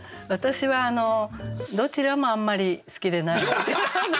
私はあのどちらもあんまり好きでない。